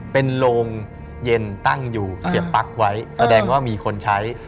เป็นโรงเย็นตั้งอยู่เสียบปั๊กไว้แสดงว่ามีคนใช้